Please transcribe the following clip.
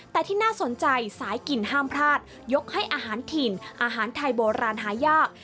แต่ที่น่าสนใจสายกินห้ามพลาดยกให้อาหารถิ่นอาหารไทยโบราณหายาก